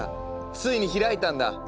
ついに開いたんだ。